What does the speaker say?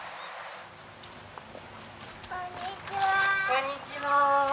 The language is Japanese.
こんにちは。